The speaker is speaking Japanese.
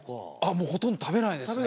もうほとんど食べないですね